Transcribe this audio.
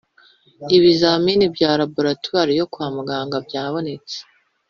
Ibizamini bya Laboratwari yo kwa muganga byabonetse